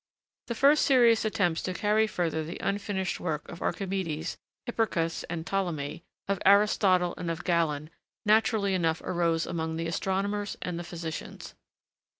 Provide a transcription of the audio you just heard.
The first serious attempts to carry further the unfinished work of Archimedes, Hipparchus, and Ptolemy, of Aristotle and of Galen, naturally enough arose among the astronomers and the physicians.